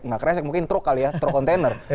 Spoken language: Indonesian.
nggak kresek mungkin truk kali ya truk kontainer